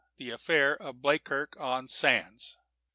THE AFFAIR OF BLEAKIRK ON SANDS.